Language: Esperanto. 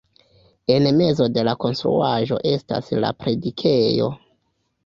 En mezo de la konstruaĵo estas la predikejo.